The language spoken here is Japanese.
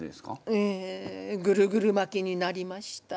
ええぐるぐるまきになりました。